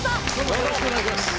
よろしくお願いします。